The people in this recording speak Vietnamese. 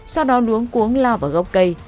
sau đó nuống cuống lao vào gốc cây